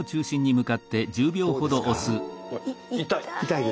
痛い。